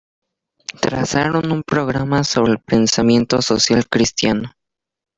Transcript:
Trazaron un programa sobre el pensamiento social cristiano.